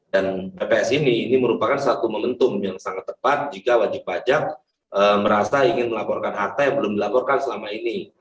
dan pps ini merupakan satu momentum yang sangat tepat jika wajib pajak merasa ingin melaporkan harta yang belum dilaporkan selama ini